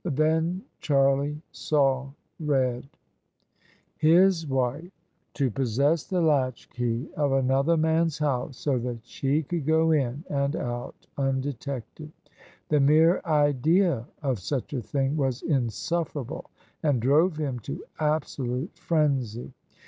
Then Charlie saw red. His wife to possess the latchkey of another man's house so that she could go in and out undetected I The mere idea of such a thing was insufferable, and drove him to absolute frenzy!